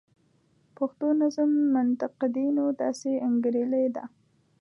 پښتو نظم منتقدینو داسې انګیرلې ده.